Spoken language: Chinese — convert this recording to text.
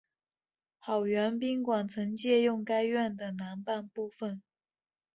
好园宾馆曾借用该院的南半部分。